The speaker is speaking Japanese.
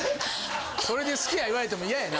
それで好きや言われてもイヤやな。